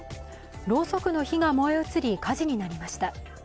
ろうそくの火が燃え移り、火事になりました。